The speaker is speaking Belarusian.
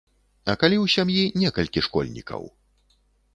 А калі ў сям'і некалькі школьнікаў?